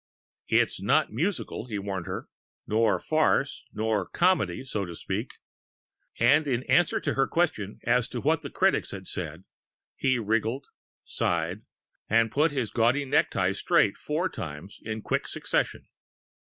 "It's not musical," he warned her, "nor farce, nor comedy, so to speak"; and in answer to her question as to what the Critics had said, he had wriggled, sighed, and put his gaudy necktie straight four times in quick succession.